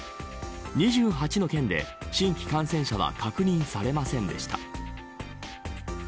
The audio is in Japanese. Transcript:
２８の県で新規感染者は確認されませんでした。